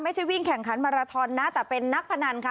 ไม่ใช่วิ่งแข่งขันมาราทอนนะแต่เป็นนักพนันค่ะ